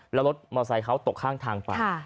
แล้วรถมอเซอร์เขาตกข้างทางไป